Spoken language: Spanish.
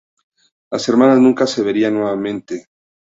Las hermanas nunca se verían nuevamente.